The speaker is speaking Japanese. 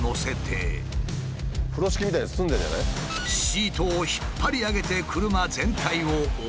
シートを引っ張り上げて車全体を覆う。